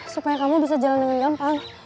supaya kamu bisa jalan dengan gampang